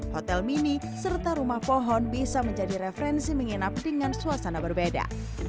hotel mini serta rumah pohon bisa menjadi referensi menginap dengan suasana berbeda